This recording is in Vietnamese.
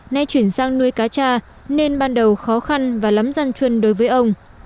nay chuyển sang nuôi cá cha nên ban đầu khó khăn và lắm gian chuân đối với ông